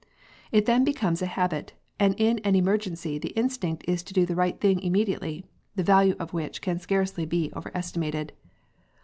It then becomes a habit, and in an emergency the instinct is to do the right thing immediately, the value of which can scarcely be over estimated.